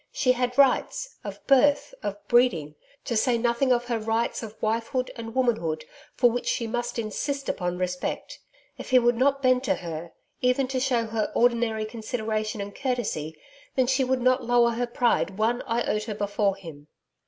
She had rights of birth, of breeding, to say nothing of her rights of wifehood and womanhood for which she must insist upon respect. If he would not bend to her, even to show her ordinary consideration and courtesy, then she would not lower her pride one iota before him.